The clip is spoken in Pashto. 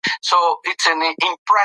ټولنیز ځواک د ټولنې له جوړښت نه بېلېږي.